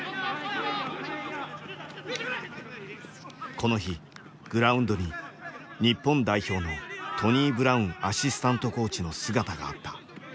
この日グラウンドに日本代表のトニー・ブラウンアシスタントコーチの姿があった。